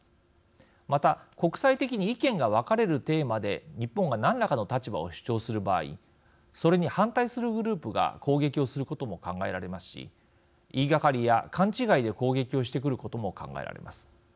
また国際的に意見が分かれるテーマで日本が何らかの立場を主張する場合それに反対するグループが攻撃をすることも考えられますし言いがかりや勘違いで攻撃をしてくることも考えられます。